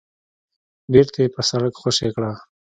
بېرته يې په شړک خوشې کړه.